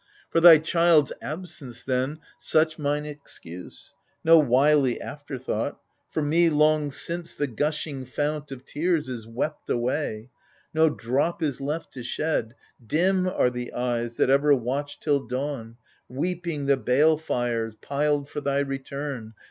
For thy child's absence then Such mine excuse, no wily afterthought. For me, long since the gushing fount of tears Is wept away ; no drop is left to shed. Dim are the eyes that ever watched till dawn, Weeping, the bale fires, piled for thy return.